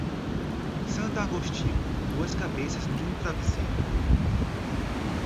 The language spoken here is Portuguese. Santo Agostinho, duas cabeças num travesseiro.